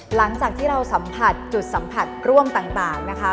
หลังจากที่เราสัมผัสจุดสัมผัสร่วมต่างนะคะ